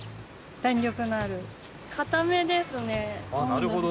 なるほど。